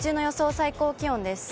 最高気温です。